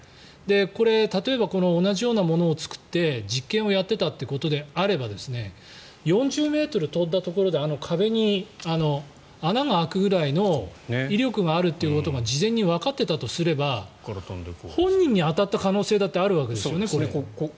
これ、例えば同じようなものを作って実験をやっていたということであれば４０ｍ飛んだところで壁に穴が開くぐらいの威力があるということが事前にわかっていたとすれば本人に当たった可能性だってあるわけですよね。